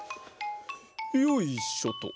よいしょっと。